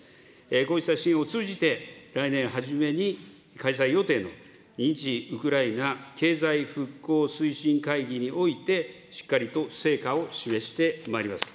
こうした支援を通じて、来年初めに開催予定の日ウクライナ経済復興推進会議において、しっかりと成果を示してまいります。